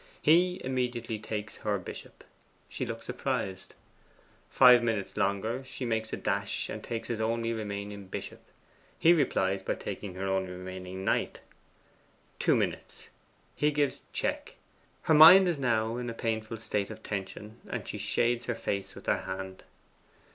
He immediately takes her bishop: she looks surprised. Five minutes longer: she makes a dash and takes his only remaining bishop; he replies by taking her only remaining knight. Two minutes: he gives check; her mind is now in a painful state of tension, and she shades her face with her hand.